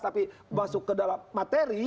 tapi masuk ke dalam materi